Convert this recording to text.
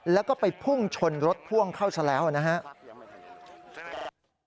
แล้วก็ไปพุ่งชนรถพ่วงเข้าซะแล้วนะครับ